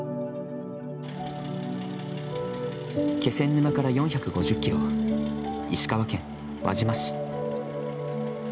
気仙沼から４５０ｋｍ、石川県輪島市。